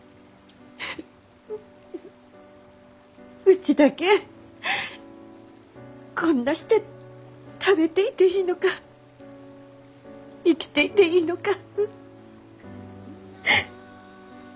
うちだけこんなして食べていていいのか生きていていいのか。